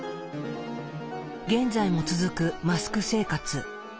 現在も続くマスク生活。